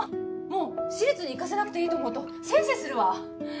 もう私立に行かせなくていいと思うとせいせいするわ。